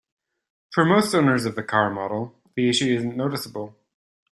For most owners of the car model, the issue isn't noticeable.